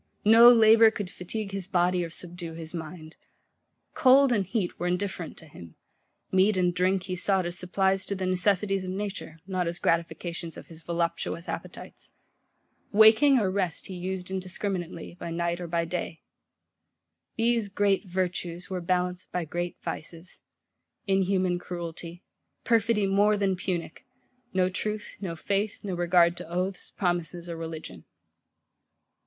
No labour could fatigue his body or subdue his mind. Cold and heat were indifferent to him: meat and drink he sought as supplies to the necessities of nature, not as gratifications of his voluptuous appetites. Waking or rest he used indiscriminately, by night or by day. These great Virtues were balanced by great Vices; inhuman cruelty; perfidy more than punic; no truth, no faith, no regard to oaths, promises, or religion.